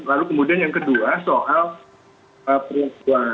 lalu kemudian yang kedua soal perempuan